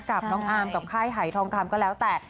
กับน้องอาร์มกับค่ายหายทองคำก็แล้วแต่